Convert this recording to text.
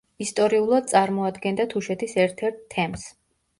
ისტორიულად წარმოადგენდა თუშეთის ერთ-ერთ თემს.